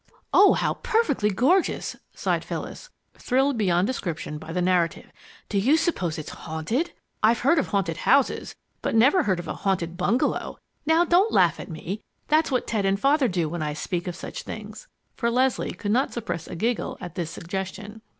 "Oh, how perfectly gorgeous!" sighed Phyllis, thrilled beyond description by the narrative. "Do you suppose it's haunted? I've heard of haunted houses, but never of a haunted bungalow! Now don't laugh at me, that's what Ted and Father do when I speak of such things," for Leslie could not repress a giggle at this suggestion.